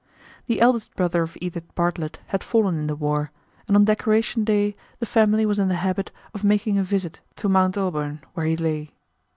The eldest brother of Edith Bartlett had fallen in the war, and on Decoration Day the family was in the habit of making a visit to Mount Auburn, where he lay.